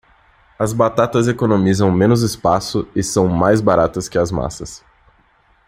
As batatas economizam menos espaço e são mais baratas que as massas.